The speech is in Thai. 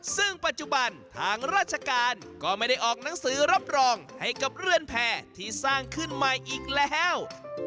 ซึ่งปัจจุบันทางราชการก็ไม่ได้ออกหนังสือรับรองให้กับเรือนแผ่ที่สร้างขึ้นใหม่อีกแล้ว